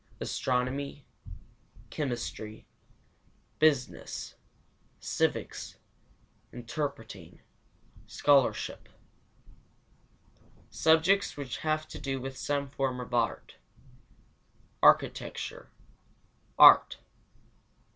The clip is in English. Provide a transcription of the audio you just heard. _ 1. Astronomy. 2. Chemistry. 3. Business. 4. Civics. 5. Interpreting. 6. Scholarship. VII. Subjects which have to do with some form of art. 1. Architecture. 2. Art.